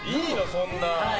そんな。